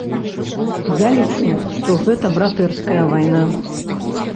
Я лічу, што гэта братэрская вайна.